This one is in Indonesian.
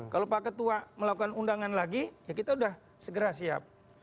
kalau pak ketua melakukan undangan lagi ya kita sudah segera siap